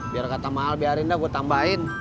biar kata mahal biarin deh gue tambahin